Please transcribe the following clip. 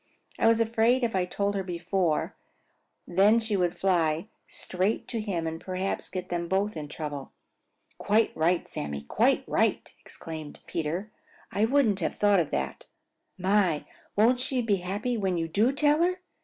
"I was afraid if I told her before then she would fly straight to him and perhaps get them both in trouble." "Quite right, Sammy! Quite right!" Peter exclaimed. "I wouldn't have thought of that. My, won't she be happy when you do tell her!